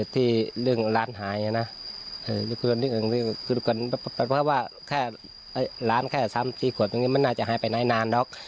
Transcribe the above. ที่เรื่องร้านหายนะร้านแค่๓๔ขวดมันน่าจะหายไปนานดอก